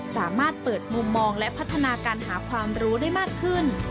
สามารถเปิดมุมมองและพัฒนาการหาความรู้ได้มากขึ้น